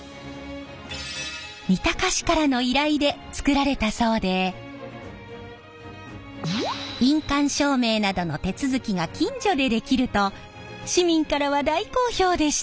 三鷹市からの依頼で作られたそうで印鑑証明などの手続きが近所でできると市民からは大好評でした！